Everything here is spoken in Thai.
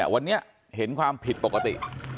วันนี้เห็นความผิดปกติ